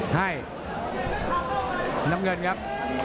ให้น้ำเงินครับ